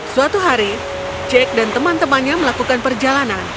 suatu hari jack dan teman temannya melakukan perjalanan